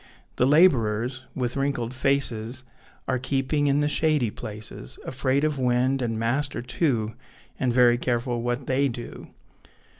The labourers, with wrinkled faces, Are keeping in the shady places, Afraid of wind and master, too, And very careful what they do.